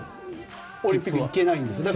オリンピックに行けないんです。